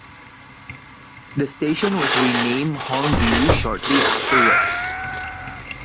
The station was renamed Holmview shortly afterwards.